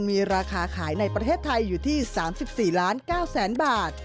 มีราคาขายในประเทศไทยอยู่ที่๓๔ล้าน๙แสนบาท